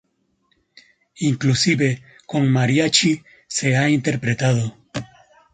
Inclusive con Mariachi se ha interpretado.